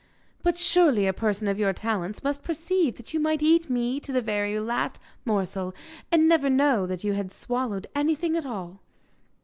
'But surely a person of your talents must perceive that you might eat me to the very last morsel and never know that you had swallowed anything at all!